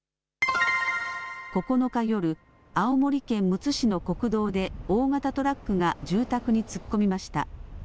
９日夜、青森県むつ市の国道で大型トラックが住宅に突っ込みました。